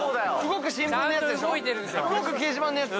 動く掲示板のやつ。